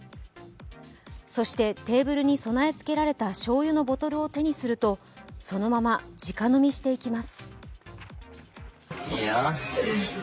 そしてテーブルに備えつけられてしょうゆのボトルを手にするとそのままじか飲みしていきます。